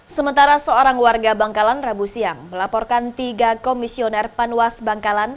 sementara seorang warga bangkalan rabu siang melaporkan tiga komisioner panwas bangkalan